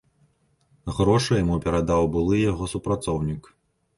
Грошы яму перадаў былы яго супрацоўнік.